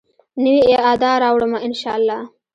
نوي ادا راوړمه، ان شاالله